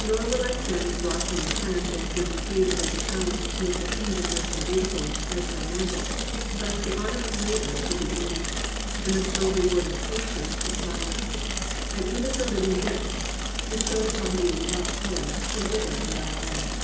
Nor will I send blossoming plants and fruiting trees of every kind to make your kingdom rich and beau tiful as by magic, lest the honour of labour should be diminished, and the slow reward of patience de spised, and even the Hving gifts bestowed upon you 3 COMPANIONABLE BOOKS without toil should wither and die away.